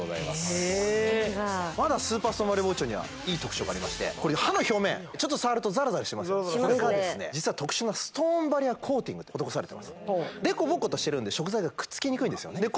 へえすごいわまだスーパーストーンバリア包丁にはいい特徴がありましてこれ刃の表面ちょっと触るとザラザラしてますけどこれがですね実は特殊なストーンバリアコーティング施されてますデコボコとしてるんで食材がくっつきにくいんですよねで